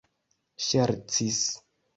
ŝercis